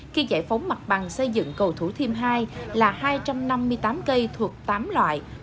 khi giải phóng mặt bằng xây dựng cầu thủ thiêm hai là hai trăm năm mươi tám cây thuộc tám loại